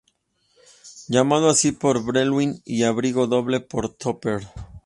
Llamado así por Breuil y "Abrigo Doble" por Topper.